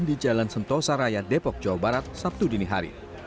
di jalan sentosa raya depok jawa barat sabtu dini hari